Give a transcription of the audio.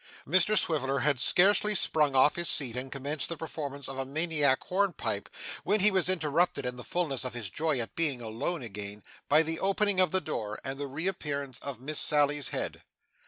Mr Swiveller had scarcely sprung off his seat and commenced the performance of a maniac hornpipe, when he was interrupted, in the fulness of his joy at being again alone, by the opening of the door, and the reappearance of Miss Sally's head.